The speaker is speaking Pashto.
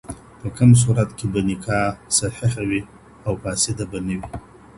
په کوم صورت کې به نکاح صحیحه وي او فاسده به نه وي؟